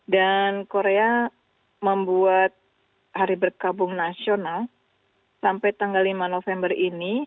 dan korea membuat hari berkabung nasional sampai tanggal lima november ini